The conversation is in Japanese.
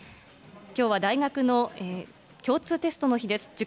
きょうは大学の共通テストの日です。